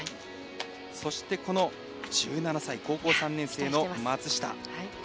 そして１７歳、高校３年生の松下。